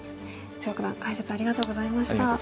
張九段解説ありがとうございました。